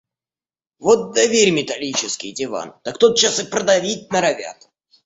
Вот доверь металлический диван, так тот час и продавить норовят.